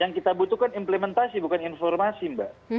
yang kita butuhkan implementasi bukan informasi mbak